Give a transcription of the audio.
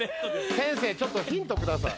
先生ちょっとヒントください。